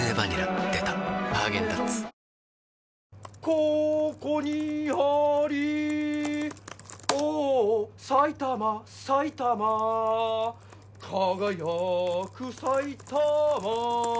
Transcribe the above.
ここにありおお埼玉埼玉輝く埼玉